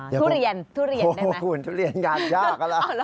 ทุเรียนทุเรียนโอ้โหคุณทุเรียนงานยากอะล่ะ